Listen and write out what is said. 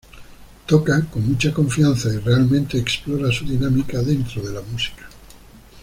Toca con mucha confianza y realmente explora su dinámica dentro de la música.